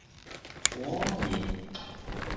果然！